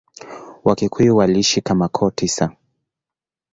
Wakikuyu waliishi kama koo tisa.